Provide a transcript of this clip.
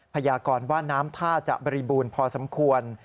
พยากรว่าน้ำท่าจะบริบูรณ์พอสมควร